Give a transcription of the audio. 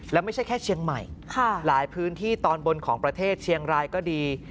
แล้วไม่ใช่แค่เชียงใหม่หลายพื้นที่ตอนบนของประเทศเชียงรายก็ดี